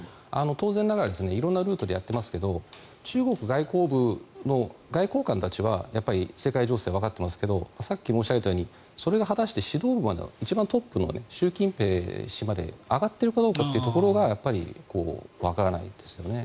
当然ながら色んなルートでやっていますが中国外交部の外交官たちは世界情勢わかってますがさっき申し上げたようにそれが果たして指導部の一番トップの習近平氏まで上がっているかどうかというところがわからないんですよね。